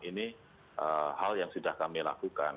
ini hal yang sudah kami lakukan